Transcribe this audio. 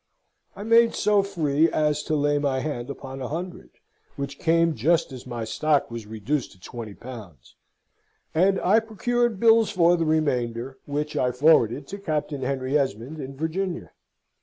I made so free as to lay my hand upon a hundred, which came, just as my stock was reduced to twenty pounds; and I procured bills for the remainder, which I forwarded to Captain Henry Esmond in Virginia.